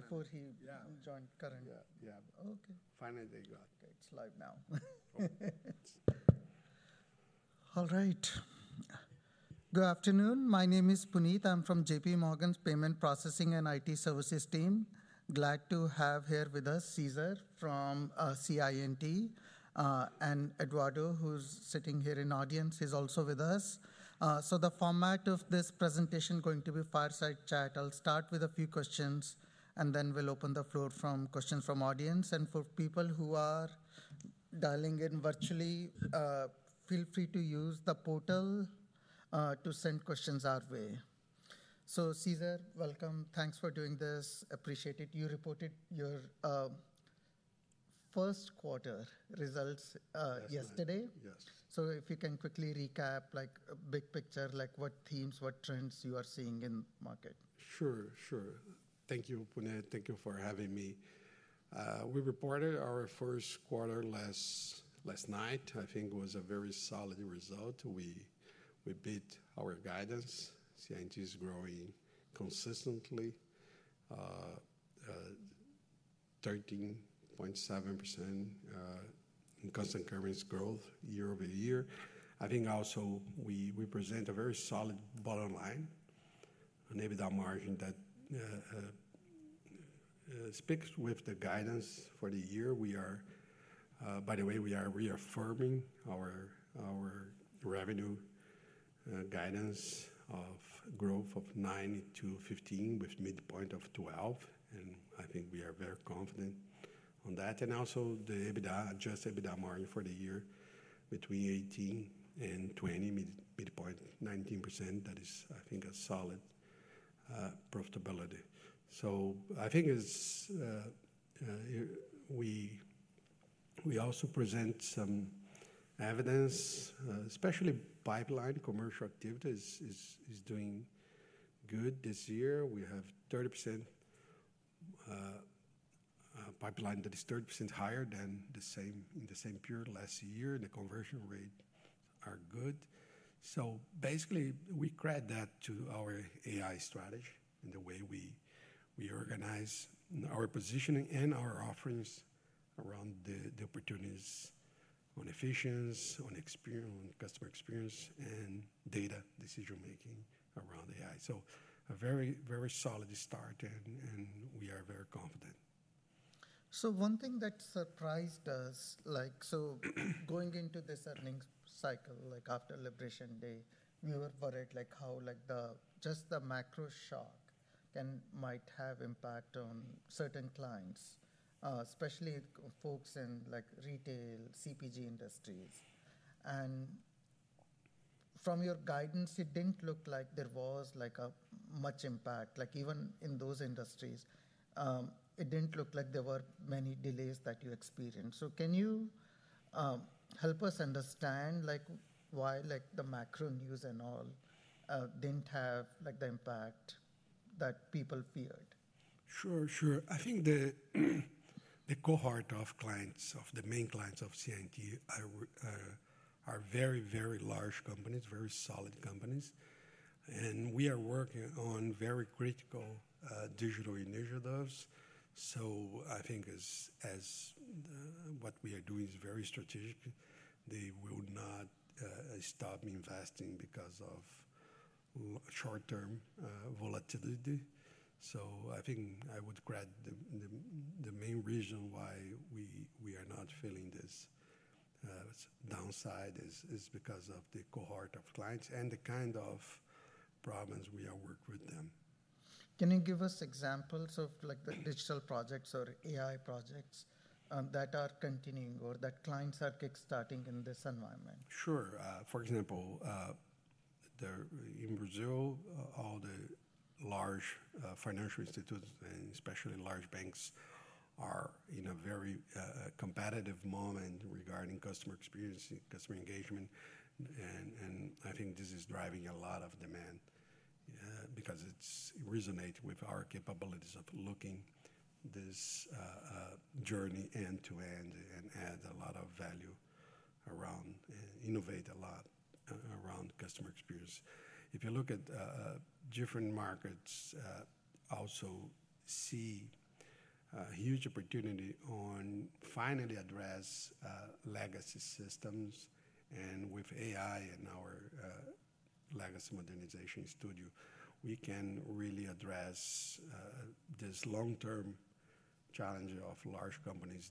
Before he joined, current. Yeah, yeah. Okay. Finally, they got it. It's live now. All right. Good afternoon. My name is Puneet. I'm from JPMorgan's Payment Processing and IT Services team. Glad to have here with us Cesar from CI&T and Eduardo, who's sitting here in the audience, is also with us. The format of this presentation is going to be fireside chat. I'll start with a few questions, then we'll open the floor for questions from the audience. For people who are dialing in virtually, feel free to use the portal to send questions our way. Cesar, welcome. Thanks for doing this. Appreciate it. You reported your first quarter results yesterday. Yes. If you can quickly recap, like a big picture, like what themes, what trends you are seeing in the market. Sure, sure. Thank you, Puneet. Thank you for having me. We reported our first quarter last night. I think it was a very solid result. We beat our guidance. CI&T is growing consistently, 13.7% in constant currency growth year over year. I think also we present a very solid bottom line, and maybe that margin that speaks with the guidance for the year. By the way, we are reaffirming our revenue guidance of growth of 9%-15% with midpoint of 12%. I think we are very confident on that. Also the adjusted EBITDA margin for the year between 18%-20%, midpoint 19%. That is, I think, a solid profitability. I think we also present some evidence, especially pipeline commercial activity is doing good this year. We have pipeline that is 30% higher than the same period last year. The conversion rates are good. We credit that to our AI strategy and the way we organize our positioning and our offerings around the opportunities on efficiency, on customer experience, and data decision-making around AI. A very, very solid start, and we are very confident. One thing that surprised us, like going into this earnings cycle, like after Liberation Day, we were worried how just the macro shock might have impact on certain clients, especially folks in retail, CPG industries. From your guidance, it did not look like there was much impact. Even in those industries, it did not look like there were many delays that you experienced. Can you help us understand why the macro news and all did not have the impact that people feared? Sure, sure. I think the cohort of clients, of the main clients of CI&T are very, very large companies, very solid companies. We are working on very critical digital initiatives. I think as what we are doing is very strategic. They will not stop investing because of short-term volatility. I would credit the main reason why we are not feeling this downside is because of the cohort of clients and the kind of problems we are working with them. Can you give us examples of like the digital projects or AI projects that are continuing or that clients are kickstarting in this environment? Sure. For example, in Brazil, all the large financial institutes, and especially large banks, are in a very competitive moment regarding customer experience, customer engagement. I think this is driving a lot of demand because it resonates with our capabilities of looking at this journey end to end and adding a lot of value around, innovating a lot around customer experience. If you look at different markets, you also see a huge opportunity on finally addressing legacy systems. With AI and our Legacy Modernization Studio, we can really address this long-term challenge of large companies.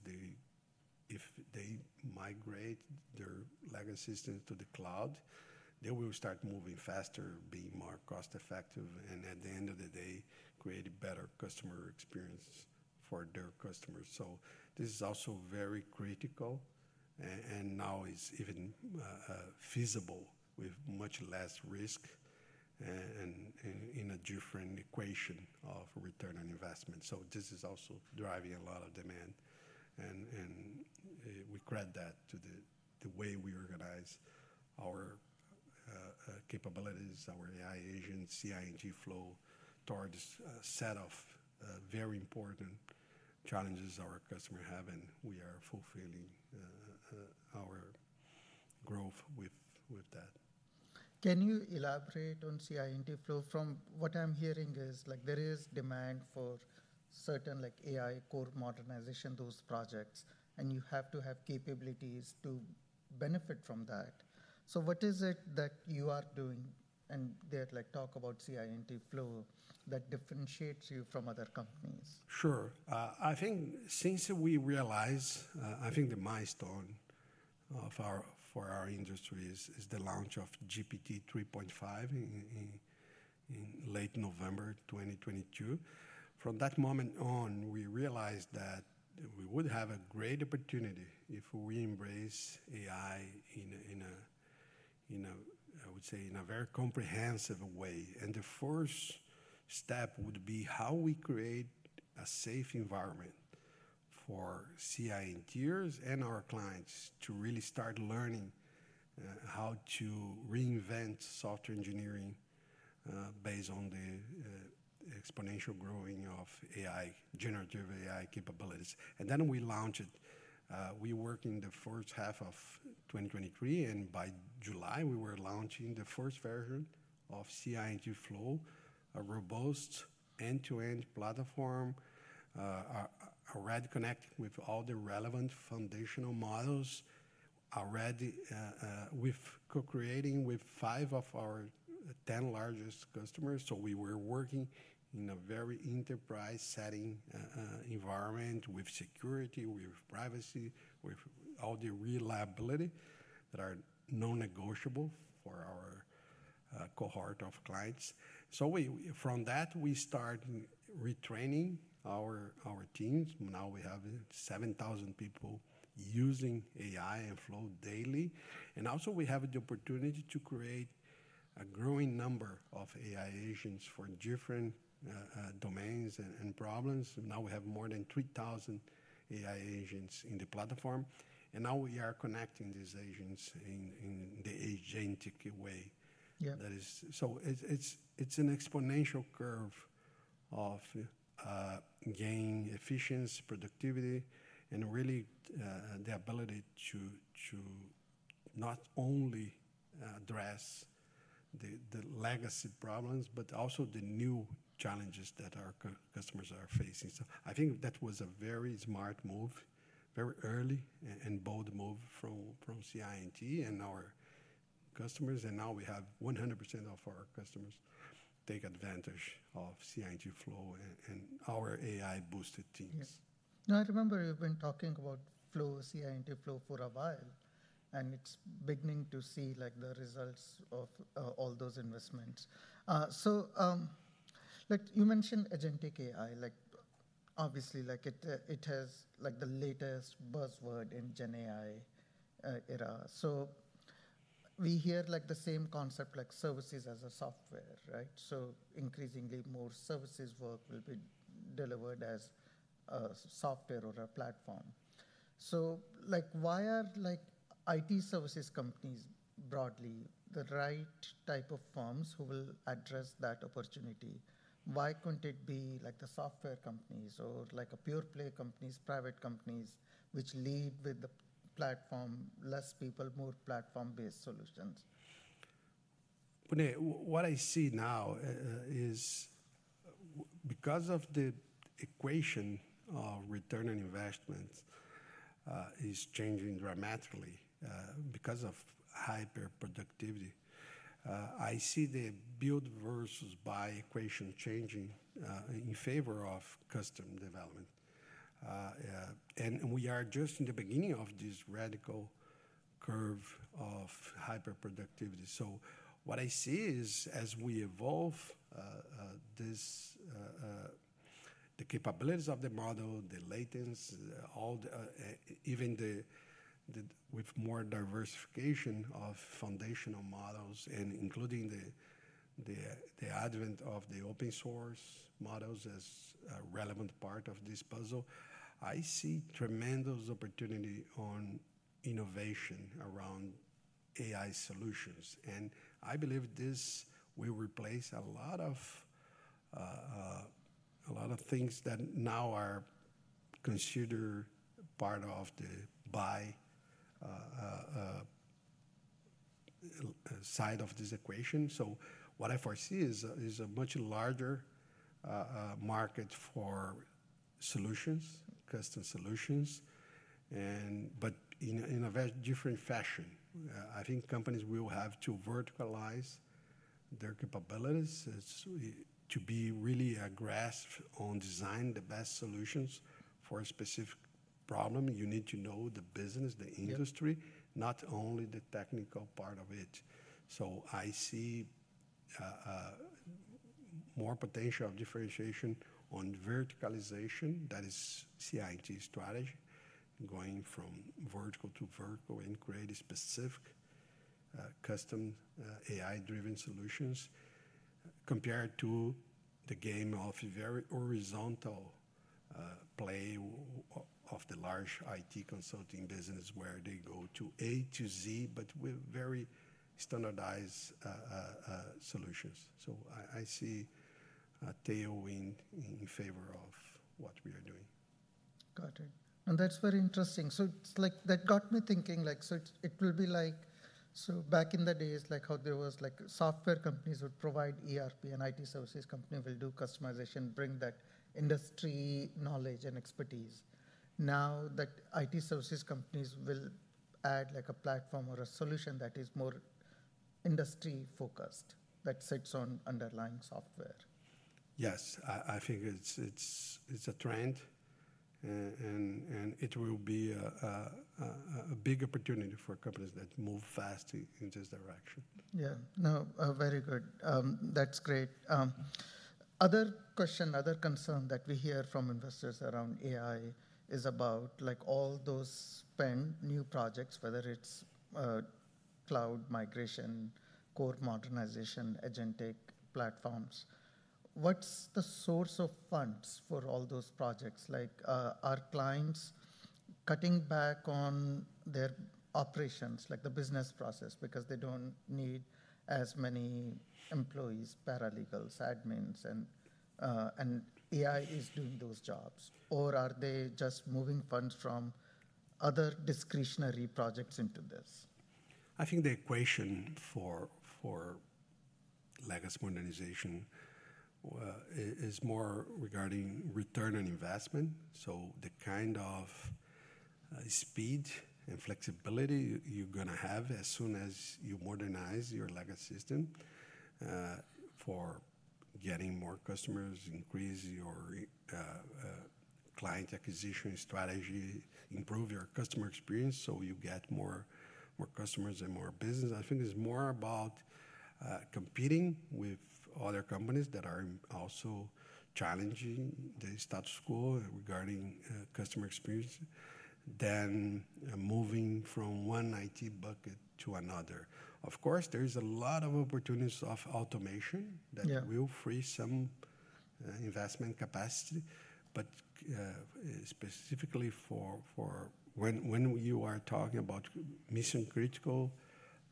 If they migrate their legacy systems to the cloud, they will start moving faster, being more cost-effective, and at the end of the day, create a better customer experience for their customers. This is also very critical, and now it's even feasible with much less risk and in a different equation of return on investment. This is also driving a lot of demand. We credit that to the way we organize our capabilities, our AI Agents, CI&T Flow towards a set of very important challenges our customers have. We are fulfilling our growth with that. Can you elaborate on CI&T Flow? From what I'm hearing is like there is demand for certain like AI core modernization, those projects, and you have to have capabilities to benefit from that. What is it that you are doing? They talk about CI&T Flow that differentiates you from other companies. Sure. I think since we realized, I think the milestone for our industry is the launch of GPT-3.5 in late November 2022. From that moment on, we realized that we would have a great opportunity if we embrace AI in a, I would say, in a very comprehensive way. The first step would be how we create a safe environment for CI&Ters and our clients to really start learning how to reinvent software engineering based on the exponential growing of AI, generative AI capabilities. Then we launched it. We worked in the first half of 2023, and by July, we were launching the first version of CI&T Flow, a robust end-to-end platform, already connected with all the relevant foundational models, already co-creating with five of our 10 largest customers. We were working in a very enterprise-setting environment with security, with privacy, with all the reliability that are non-negotiable for our cohort of clients. From that, we started retraining our teams. Now we have 7,000 people using AI and Flow daily. We also have the opportunity to create a growing number of AI agents for different domains and problems. Now we have more than 3,000 AI agents in the platform. We are connecting these agents in the agentic way. It is an exponential curve of gaining efficiency, productivity, and really the ability to not only address the legacy problems, but also the new challenges that our customers are facing. I think that was a very smart move, very early and bold move from CI&T and our customers. Now we have 100% of our customers take advantage of CI&T Flow and our AI-boosted teams. Now I remember you've been talking about Flow, CI&T Flow for a while, and it's beginning to see like the results of all those investments. You mentioned agentic AI. Like obviously, like it has like the latest buzzword in GenAI era. We hear like the same concept, like services as a software, right? Increasingly more services work will be delivered as a software or a platform. Like why are like IT services companies broadly the right type of firms who will address that opportunity? Why couldn't it be like the software companies or like a pure play companies, private companies, which lead with the platform, less people, more platform-based solutions? Puneet, what I see now is because the equation, return on investment, is changing dramatically because of hyperproductivity. I see the build versus buy equation changing in favor of custom development. We are just in the beginning of this radical curve of hyperproductivity. What I see is as we evolve the capabilities of the model, the latency, even with more diversification of foundational models, and including the advent of the open source models as a relevant part of this puzzle, I see tremendous opportunity on innovation around AI solutions. I believe this will replace a lot of things that now are considered part of the buy side of this equation. What I foresee is a much larger market for solutions, custom solutions, but in a very different fashion. I think companies will have to verticalize their capabilities to be really aggressive on designing the best solutions for a specific problem. You need to know the business, the industry, not only the technical part of it. I see more potential differentiation on verticalization. That is CI&T strategy, going from vertical to vertical and creating specific custom AI-driven solutions compared to the game of very horizontal play of the large IT consulting business where they go to A-Z, but with very standardized solutions. I see a tailwind in favor of what we are doing. Got it. That's very interesting. It got me thinking, like, it will be like back in the days, how there was software companies would provide ERP and IT services companies would do customization, bring that industry knowledge and expertise. Now IT services companies will add a platform or a solution that is more industry-focused that sits on underlying software. Yes, I think it's a trend, and it will be a big opportunity for companies that move fast in this direction. Yeah. No, very good. That's great. Other question, other concern that we hear from investors around AI is about like all those new projects, whether it's cloud migration, core modernization, agentic platforms. What's the source of funds for all those projects? Like are clients cutting back on their operations, like the business process, because they don't need as many employees, paralegals, admins, and AI is doing those jobs? Or are they just moving funds from other discretionary projects into this? I think the equation for legacy modernization is more regarding return on investment. So the kind of speed and flexibility you're going to have as soon as you modernize your legacy system for getting more customers, increase your client acquisition strategy, improve your customer experience so you get more customers and more business. I think it's more about competing with other companies that are also challenging the status quo regarding customer experience than moving from one IT bucket to another. Of course, there is a lot of opportunities of automation that will free some investment capacity. But specifically for when you are talking about mission-critical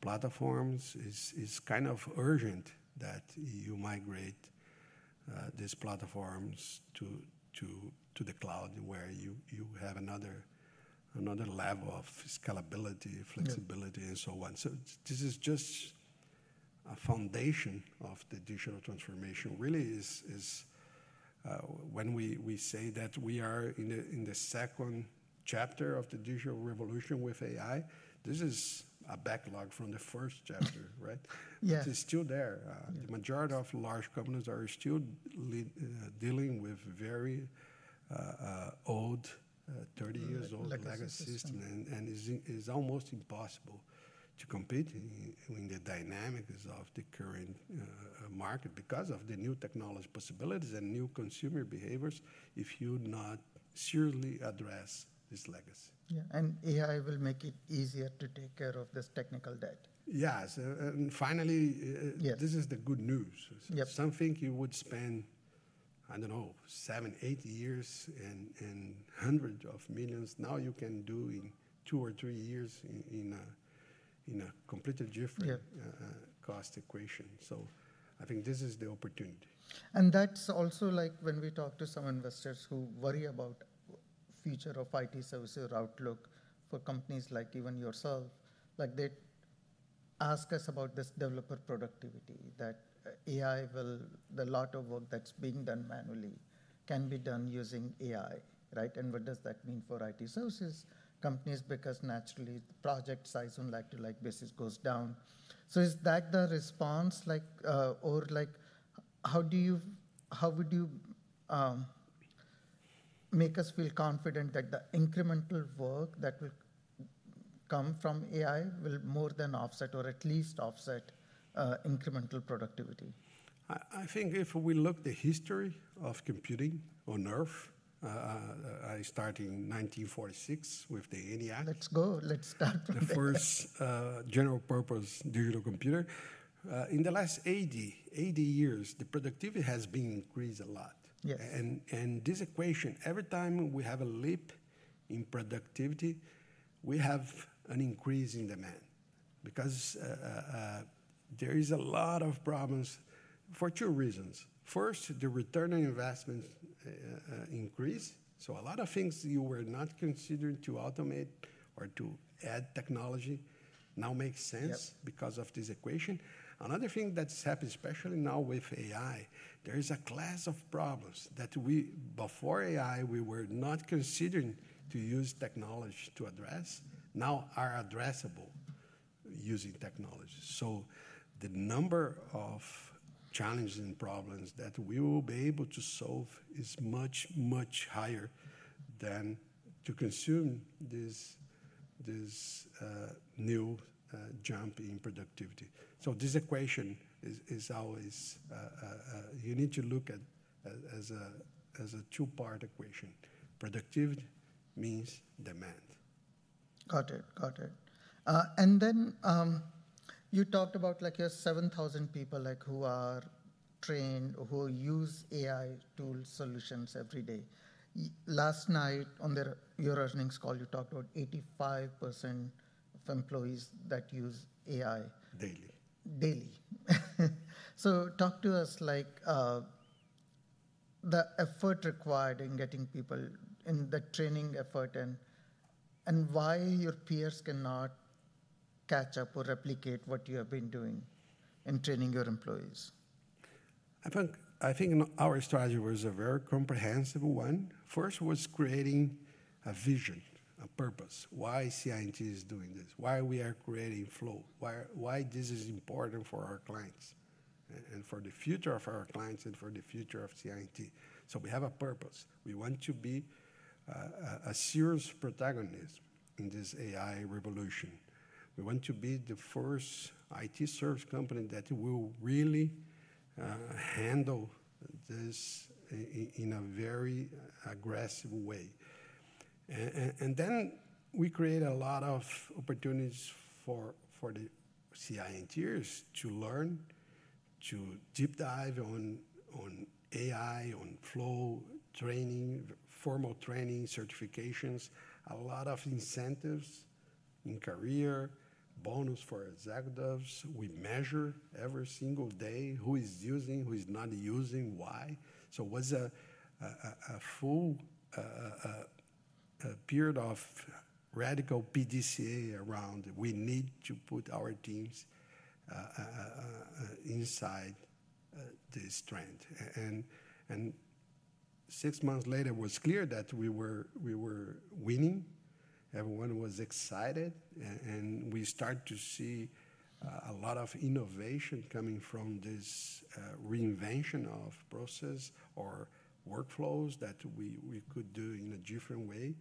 platforms, it's kind of urgent that you migrate these platforms to the cloud where you have another level of scalability, flexibility, and so on. This is just a foundation of the digital transformation. Really, when we say that we are in the second chapter of the digital revolution with AI, this is a backlog from the first chapter, right? It's still there. The majority of large companies are still dealing with very old, 30 years old legacy system, and it's almost impossible to compete in the dynamics of the current market because of the new technology possibilities and new consumer behaviors if you not seriously address this legacy. Yeah. AI will make it easier to take care of this technical debt. Yes. Finally, this is the good news. Something you would spend, I don't know, seven, eight years and hundreds of millions, now you can do in two or three years in a completely different cost equation. I think this is the opportunity. That is also like when we talk to some investors who worry about the future of IT services or outlook for companies like even yourself, like they ask us about this developer productivity, that AI will, the lot of work that is being done manually can be done using AI, right? What does that mean for IT services companies? Because naturally, project size on a like-to-like basis goes down. Is that the response? Like or like how would you make us feel confident that the incremental work that will come from AI will more than offset or at least offset incremental productivity? I think if we look at the history of computing on Earth, I start in 1946 with the ENIAC. Let's go. Let's start with that. The first general-purpose digital computer. In the last 80 years, the productivity has been increased a lot. This equation, every time we have a leap in productivity, we have an increase in demand because there are a lot of problems for two reasons. First, the return on investment increased. A lot of things you were not considering to automate or to add technology now make sense because of this equation. Another thing that's happened, especially now with AI, there is a class of problems that before AI, we were not considering to use technology to address, now are addressable using technology. The number of challenges and problems that we will be able to solve is much, much higher than to consume this new jump in productivity. This equation is always, you need to look at it as a two-part equation. Productivity means demand. Got it. Got it. You talked about like you have 7,000 people who are trained, who use AI tools, solutions every day. Last night on your earnings call, you talked about 85% of employees that use AI. Daily. Daily. Talk to us like the effort required in getting people in the training effort and why your peers cannot catch up or replicate what you have been doing in training your employees. I think our strategy was a very comprehensive one. First was creating a vision, a purpose. Why CI&T is doing this? Why we are creating Flow? Why this is important for our clients and for the future of our clients and for the future of CI&T? We have a purpose. We want to be a serious protagonist in this AI revolution. We want to be the first IT service company that will really handle this in a very aggressive way. We create a lot of opportunities for the CI&Ters to learn, to deep dive on AI, on Flow, training, formal training, certifications, a lot of incentives in career, bonus for executives. We measure every single day who is using, who is not using, why. It was a full period of radical PDCA around we need to put our teams inside this trend. Six months later, it was clear that we were winning. Everyone was excited. We started to see a lot of innovation coming from this reinvention of process or workflows that we could do in a different way.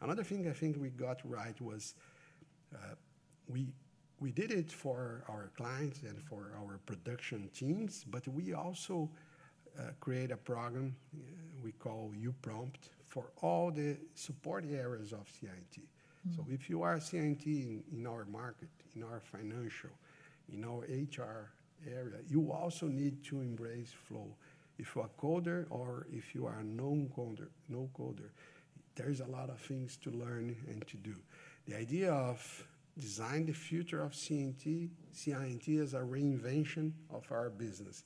Another thing I think we got right was we did it for our clients and for our production teams, but we also created a program we call uPrompt for all the support areas of CI&T. If you are CI&T in our market, in our financial, in our HR area, you also need to embrace Flow. If you are a coder or if you are a no-coder, there is a lot of things to learn and to do. The idea of designing the future of CI&T as a reinvention of our business,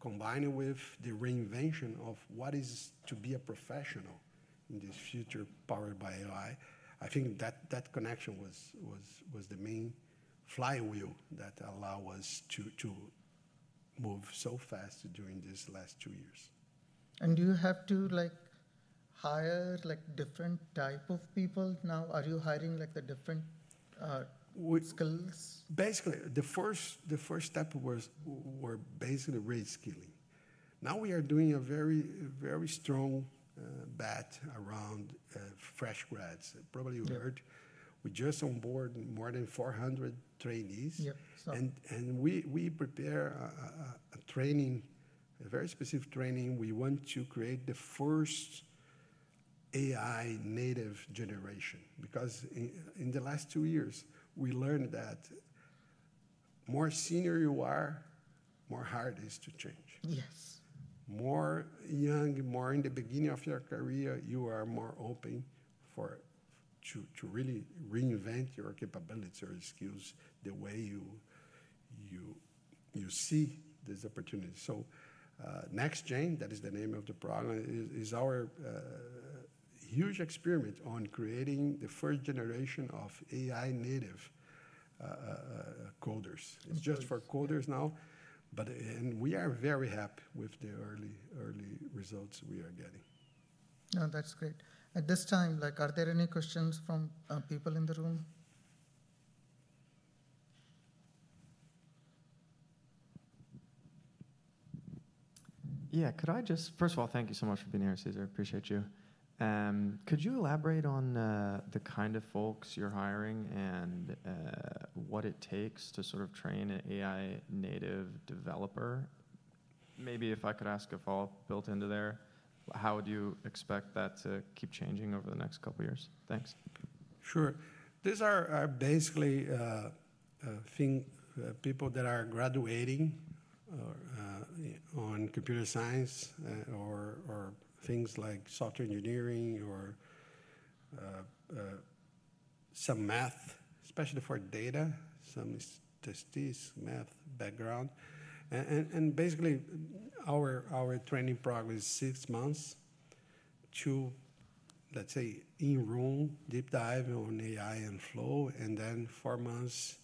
combined with the reinvention of what is to be a professional in this future powered by AI, I think that connection was the main flywheel that allowed us to move so fast during these last two years. Do you have to hire different types of people now? Are you hiring the different skills? Basically, the first step was basically reskilling. Now we are doing a very, very strong bet around fresh grads. Probably you heard. We just onboarded more than 400 trainees. And we prepare a training, a very specific training. We want to create the first AI Native Generation because in the last two years, we learned that the more senior you are, the more hard it is to change. Yes. The more young, the more in the beginning of your career, you are more open to really reinvent your capabilities or skills the way you see this opportunity. NextGen, that is the name of the program, is our huge experiment on creating the first generation of AI native coders. It is just for coders now. We are very happy with the early results we are getting. No, that's great. At this time, are there any questions from people in the room? Yeah. Could I just, first of all, thank you so much for being here, Cesar. I appreciate you. Could you elaborate on the kind of folks you're hiring and what it takes to sort of train an AI native developer? Maybe if I could ask a follow-up built into there, how do you expect that to keep changing over the next couple of years? Thanks. Sure. These are basically people that are graduating on computer science or things like software engineering or some math, especially for data, some statistics, math background. Basically, our training program is six months to, let's say, in-room deep dive on AI and Flow, and then four months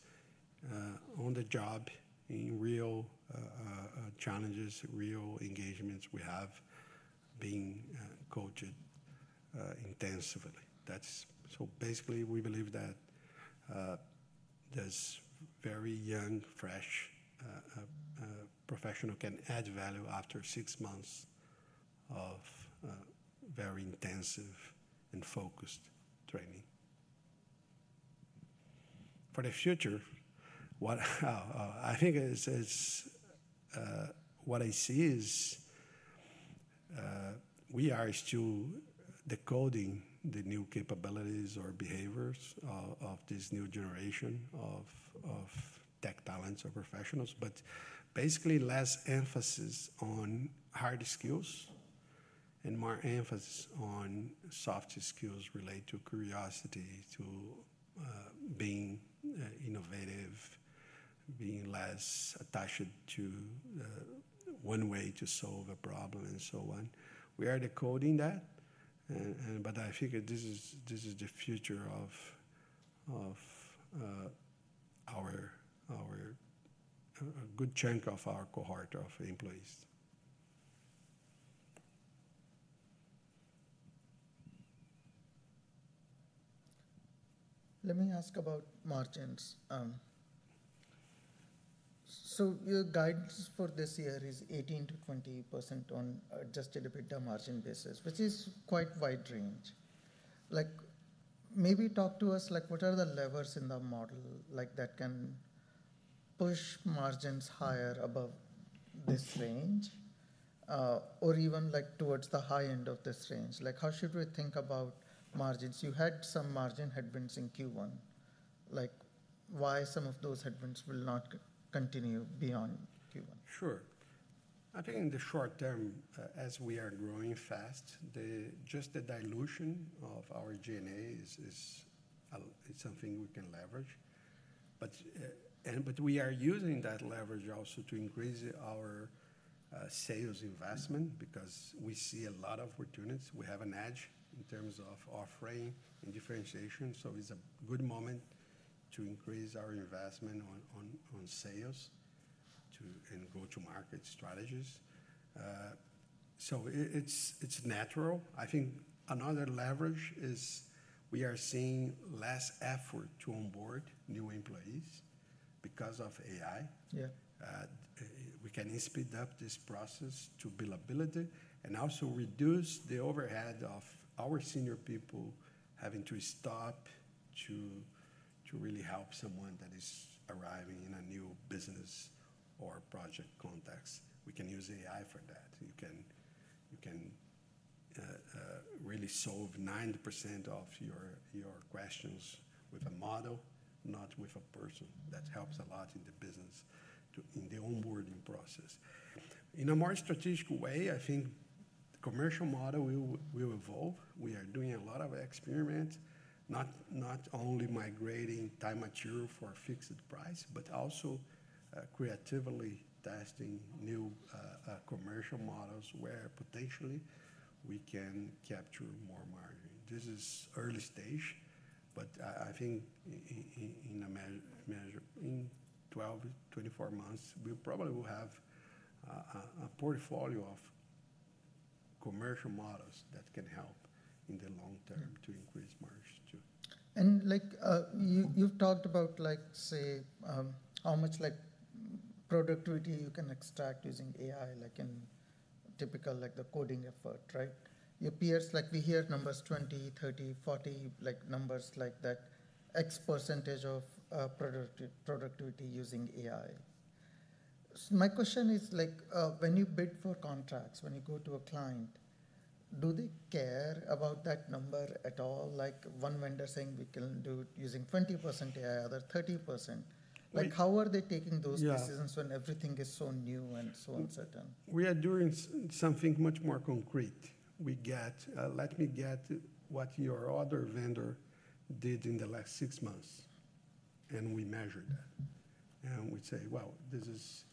on the job in real challenges, real engagements we have been coached intensively. Basically, we believe that this very young, fresh professional can add value after six months of very intensive and focused training. For the future, I think what I see is we are still decoding the new capabilities or behaviors of this new generation of tech talents or professionals, but basically less emphasis on hard skills and more emphasis on soft skills related to curiosity, to being innovative, being less attached to one way to solve a problem and so on. We are decoding that. I think this is the future of a good chunk of our cohort of employees. Let me ask about margins. Your guidance for this year is 18%-20% on just a little bit of margin basis, which is quite a wide range. Maybe talk to us, what are the levers in the model that can push margins higher above this range or even towards the high end of this range? How should we think about margins? You had some margin headwinds in Q1. Why will some of those headwinds not continue beyond Q1? Sure. I think in the short term, as we are growing fast, just the dilution of our G&A is something we can leverage. We are using that leverage also to increase our sales investment because we see a lot of opportunities. We have an edge in terms of offering and differentiation. It is a good moment to increase our investment on sales and go-to-market strategies. It is natural. I think another leverage is we are seeing less effort to onboard new employees because of AI. We can speed up this process to build ability and also reduce the overhead of our senior people having to stop to really help someone that is arriving in a new business or project context. We can use AI for that. You can really solve 90% of your questions with a model, not with a person. That helps a lot in the business, in the onboarding process. In a more strategic way, I think the commercial model will evolve. We are doing a lot of experiments, not only migrating time material for a fixed price, but also creatively testing new commercial models where potentially we can capture more margin. This is early stage, but I think in 12-24 months, we probably will have a portfolio of commercial models that can help in the long term to increase margins too. You've talked about, say, how much productivity you can extract using AI in typical coding effort, right? Your peers, we hear numbers 20%, 30%, 40%, numbers like that, X percentage of productivity using AI. My question is, when you bid for contracts, when you go to a client, do they care about that number at all? One vendor saying, "We can do it using 20% AI, other 30%." How are they taking those decisions when everything is so new and so uncertain? We are doing something much more concrete. Let me get what your other vendor did in the last six months. And we measure that. And we say, "Wow, this is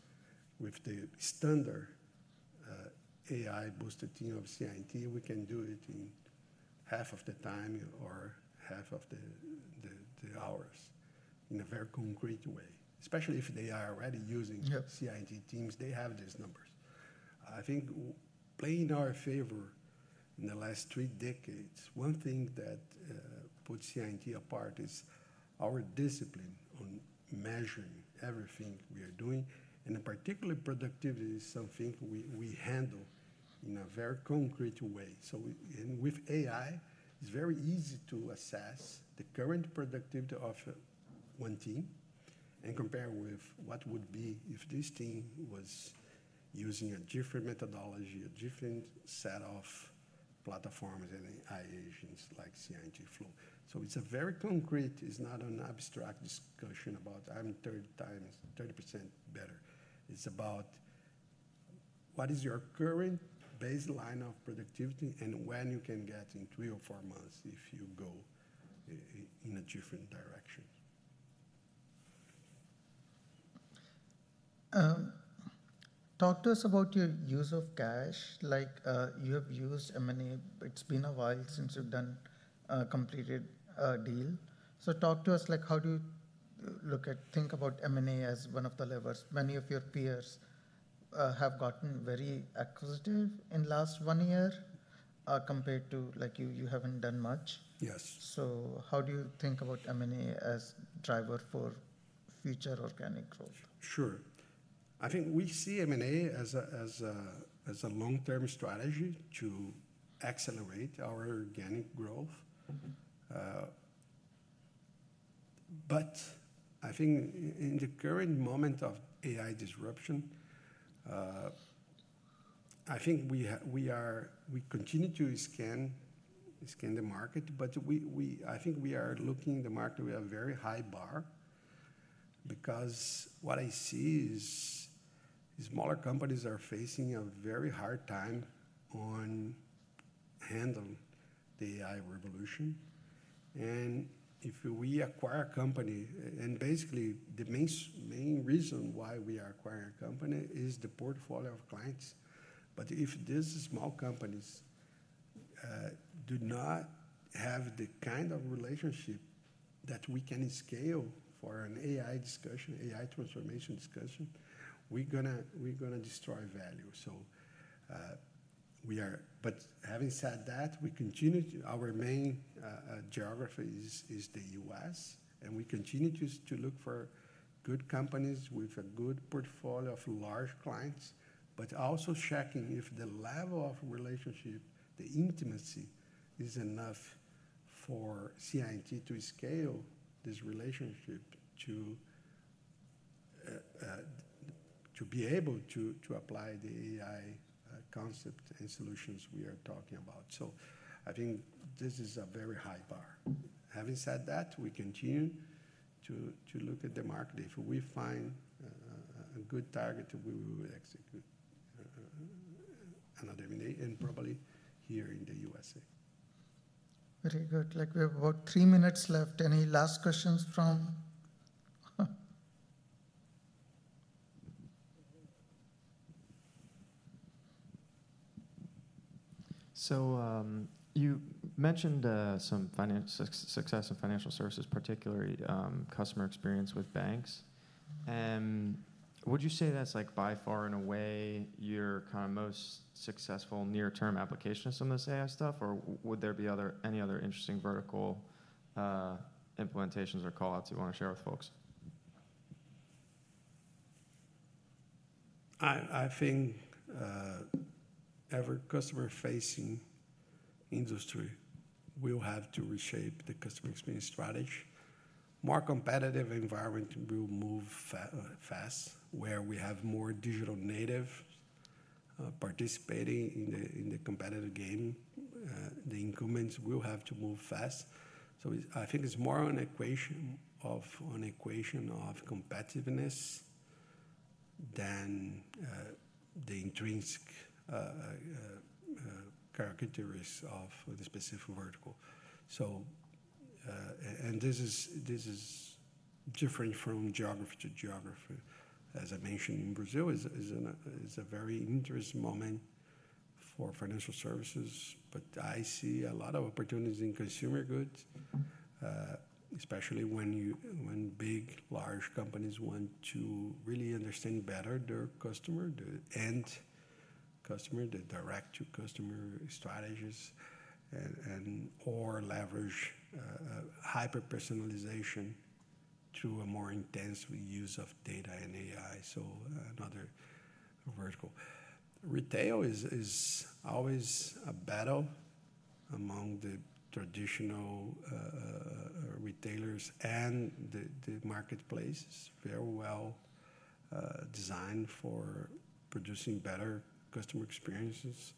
with the standard AI-boosted team of CI&T, we can do it in half of the time or half of the hours in a very concrete way, especially if they are already using CI&T teams. They have these numbers." I think playing in our favor in the last three decades, one thing that puts CI&T apart is our discipline on measuring everything we are doing. And in particular, productivity is something we handle in a very concrete way. With AI, it's very easy to assess the current productivity of one team and compare with what would be if this team was using a different methodology, a different set of platforms and AI agents like CI&T Flow. It is very concrete. It's not an abstract discussion about, "I'm 30% better." It's about what is your current baseline of productivity and where you can get in three or four months if you go in a different direction. Talk to us about your use of cash. You have used M&A. It's been a while since you've completed a deal. Talk to us, how do you think about M&A as one of the levers? Many of your peers have gotten very acquisitive in the last one year compared to you haven't done much. Yes. How do you think about M&A as a driver for future organic growth? Sure. I think we see M&A as a long-term strategy to accelerate our organic growth. I think in the current moment of AI disruption, we continue to scan the market, but we are looking at the market. We have a very high bar because what I see is smaller companies are facing a very hard time on handling the AI revolution. If we acquire a company, and basically the main reason why we are acquiring a company is the portfolio of clients. If these small companies do not have the kind of relationship that we can scale for an AI discussion, AI transformation discussion, we are going to destroy value. Having said that, our main geography is the U.S., and we continue to look for good companies with a good portfolio of large clients, but also checking if the level of relationship, the intimacy is enough for CI&T to scale this relationship to be able to apply the AI concept and solutions we are talking about. I think this is a very high bar. Having said that, we continue to look at the market. If we find a good target, we will execute another M&A, and probably here in the U.S.. Very good. We have about three minutes left. Any last questions? You mentioned some success in financial services, particularly customer experience with banks. Would you say that's by far and away your kind of most successful near-term application of some of this AI stuff? Or would there be any other interesting vertical implementations or callouts you want to share with folks? I think every customer-facing industry will have to reshape the customer experience strategy. A more competitive environment will move fast where we have more digital natives participating in the competitive game. The increments will have to move fast. I think it is more an equation of competitiveness than the intrinsic characteristics of the specific vertical. This is different from geography to geography. As I mentioned, in Brazil, it is a very interesting moment for financial services, but I see a lot of opportunities in consumer goods, especially when big, large companies want to really understand better their customer, the end customer, the direct-to-customer strategies, or leverage hyper-personalization to a more intense use of data and AI. Another vertical, retail is always a battle among the traditional retailers, and the marketplace is very well designed for producing better customer experiences.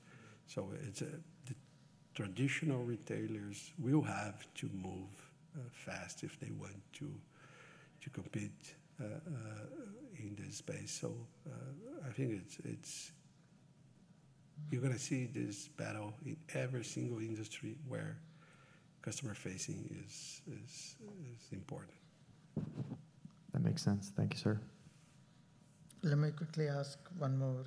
Traditional retailers will have to move fast if they want to compete in this space. I think you're going to see this battle in every single industry where customer-facing is important. That makes sense. Thank you, sir. Let me quickly ask one more.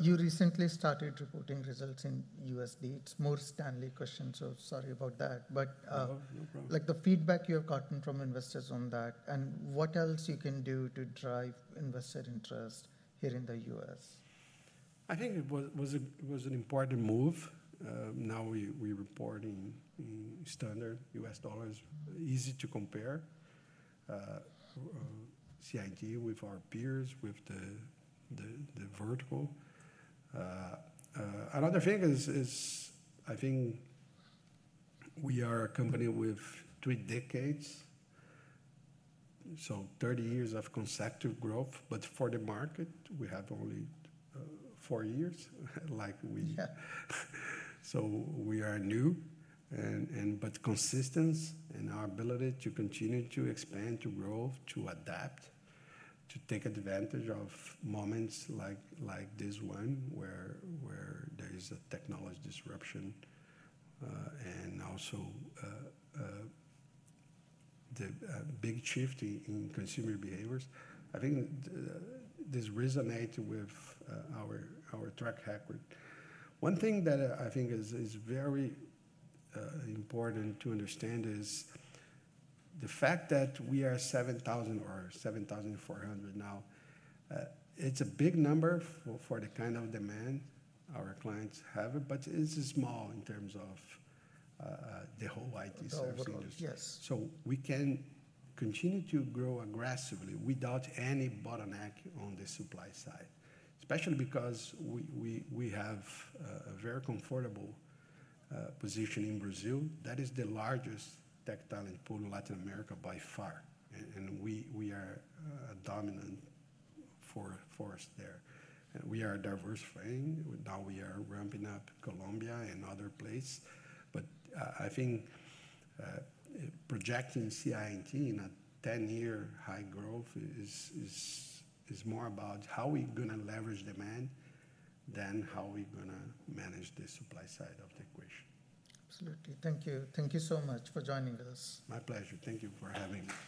You recently started reporting results in USD. More Stanley questions, so sorry about that. No, no problem. The feedback you have gotten from investors on that, and what else you can do to drive investor interest here in the US? I think it was an important move. Now we are reporting in standard U.S. dollars. Easy to compare CI&T with our peers, with the vertical. Another thing is, I think we are a company with three decades, so 30 years of consecutive growth, but for the market, we have only four years. We are new, but consistence and our ability to continue to expand, to grow, to adapt, to take advantage of moments like this one where there is a technology disruption and also the big shift in consumer behaviors, I think this resonates with our track record. One thing that I think is very important to understand is the fact that we are 7,000 or 7,400 now. It's a big number for the kind of demand our clients have, but it's small in terms of the whole IT service industry. We can continue to grow aggressively without any bottleneck on the supply side, especially because we have a very comfortable position in Brazil. That is the largest tech talent pool in Latin America by far, and we are dominant for us there. We are diversifying. Now we are ramping up Colombia and other places. I think projecting CI&T in a 10-year high growth is more about how we're going to leverage demand than how we're going to manage the supply side of the equation. Absolutely. Thank you. Thank you so much for joining us. My pleasure. Thank you for having me.